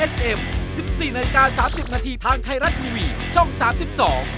สวัสดีครับ